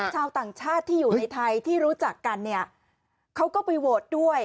ชาวต่างชาติที่อยู่ในไทยที่รู้จักกันเนี่ยเขาก็ไปโหวตด้วย